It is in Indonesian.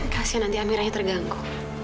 kasian nanti amiranya terganggu